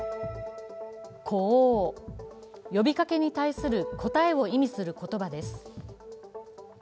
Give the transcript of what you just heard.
呼応、呼びかけに対する答えを意味する言葉です。